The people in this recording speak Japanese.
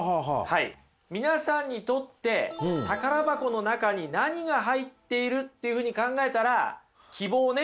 皆さんにとって宝箱の中に何が入っているっていうふうに考えたら希望をね